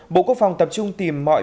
một bộ quốc phòng tập trung tìm mọi